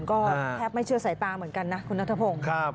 ก็แทบไม่เชื่อสายตาเหมือนกันครับคุณณธพงธ์ครับ